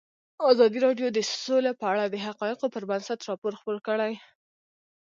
ازادي راډیو د سوله په اړه د حقایقو پر بنسټ راپور خپور کړی.